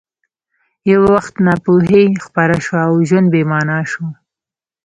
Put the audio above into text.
یو وخت ناپوهي خپره شوه او ژوند بې مانا شو